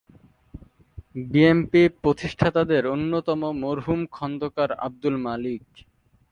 BNP প্রতিষ্ঠাতাদের অন্যতম মরহুম খন্দকার আব্দুল মালিক।